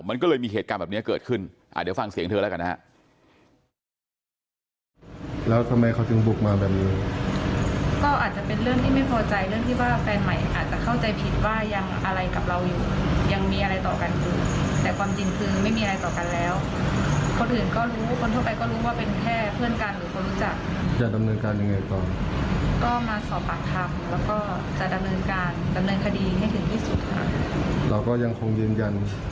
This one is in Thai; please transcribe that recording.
มันก็เลยมีเหตุการณ์แบบนี้เกิดขึ้นเดี๋ยวฟังเสียงเธอแล้วกันนะฮะ